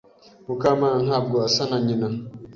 Mukamana ntabwo asa na nyina.